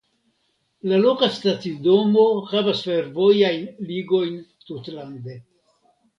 La loka stacidomo havas fervojajn ligojn tutlande.